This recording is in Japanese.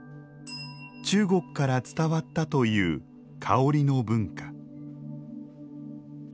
中国から伝わったという香りの文化。